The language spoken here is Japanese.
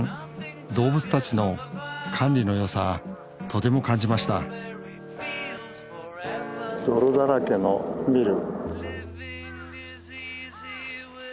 動物たちの管理の良さとても感じました泥だらけのニル。